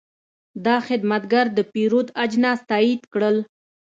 دا خدمتګر د پیرود اجناس تایید کړل.